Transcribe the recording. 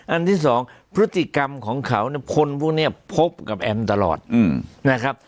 อันที่สองพฤติกรรมของเขาเนี่ยคนพวกนี้พบกับแอมตลอดนะครับ